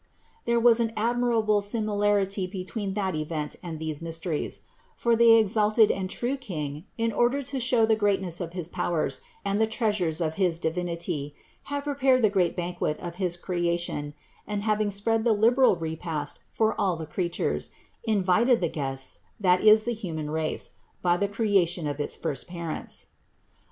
There was an admirable similarity between that event and these mysteries ; for the exalted and true King, in order to show the greatness of his powers and the THE INCARNATION 65 treasures of his Divinity, had prepared the great banquet of his creation, and having spread the liberal repast for all the creatures, invited the guests, that is the human race, by the creation of its first parents.